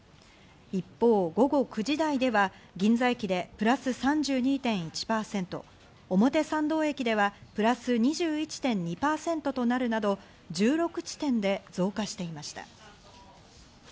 一方、午後９時台では銀座駅でプラス３２．１％、表参道駅ではプラス２１．２％となるなど、１６地点で増加していました。